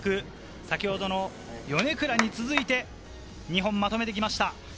先ほどのヨネクラに続いて、２本まとめてきました。